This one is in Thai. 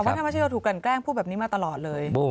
บอกว่าถ้าไม่ใช่ว่าถูกกลั่นแกล้งพูดแบบนี้มาตลอดเลย